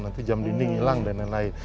nanti jam dinding hilang dan lain lain